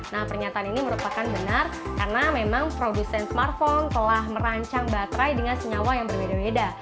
nah pernyataan ini merupakan benar karena memang produsen smartphone telah merancang baterai dengan senyawa yang berbeda beda